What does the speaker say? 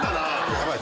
ヤバい。